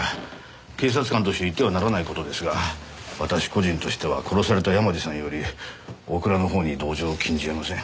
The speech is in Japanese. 警察官として言ってはならない事ですが私個人としては殺された山路さんより大倉の方に同情を禁じ得ません。